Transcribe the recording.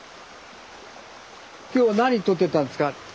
今日は何取ってたんですか？